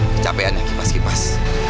kecapean ya kipas kipas